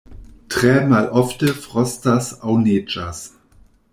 Tre malofte frostas aŭ neĝas.